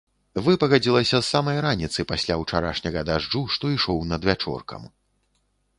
Выпагадзілася з самай раніцы пасля ўчарашняга дажджу, што ішоў надвячоркам.